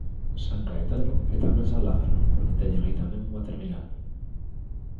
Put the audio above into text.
San Caetano e tamén San Lázaro, porque teñen aí tamén unha terminal.